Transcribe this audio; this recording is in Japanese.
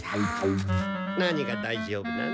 何が「だいじょうぶ」なの？